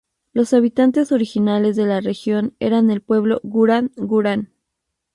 Los habitantes originales de la región eran el pueblo Gurang-Gurang.